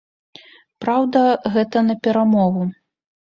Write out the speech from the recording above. Праўда, гэта на перамогу.